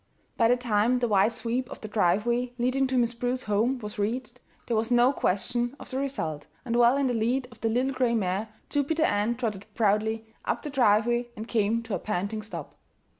By the time the wide sweep of the driveway leading to Miss Prue's home was reached, there was no question of the result, and well in the lead of the little gray mare Jupiter Ann trotted proudly up the driveway and came to a panting stop.